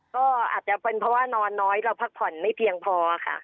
ก็อาจจะเป็นเพราะว่านอนน้อยเราพักผ่อนไม่เพียงพอค่ะ